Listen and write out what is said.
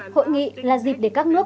hội nghị là dịp để các nước